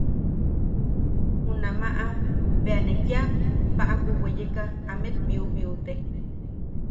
Junamaʼa bea ne kia paʼaku weyeka amet biubiute.